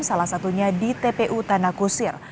salah satunya di tpu tanah kusir